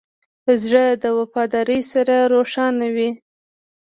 زړه د وفادارۍ سره روښانه وي.